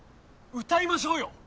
歌いましょうよ！